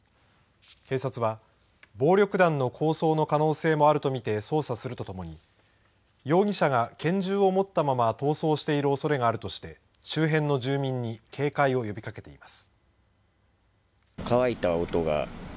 警察は暴力団の抗争の可能性もあると見て捜査するとともに容疑者が拳銃を持ったまま逃走しているおそれがあるとして周辺の住民に警戒を呼びかけています。